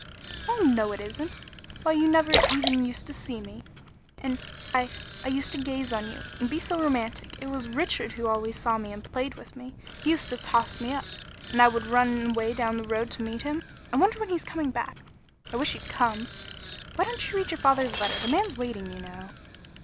"Oh, no, it isn't! Why, you never even used to see me. And I I used to gaze on you and be so romantic! It was Richard who always saw me and played with me. He used to toss me up, and I would run away down the road to meet him. I wonder when he's coming back! I wish he'd come. Why don't you read your father's letter? The man's waiting, you know."